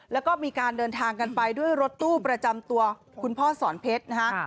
แล้วก็มีการเดินทางกันไปด้วยรถตู้ประจำตัวคุณพ่อสอนเพชรนะฮะ